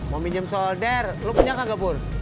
mau minjem solder lu punya kak gabur